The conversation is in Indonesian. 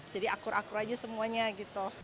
jadi akur akur aja semuanya gitu